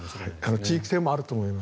地域性もあると思います。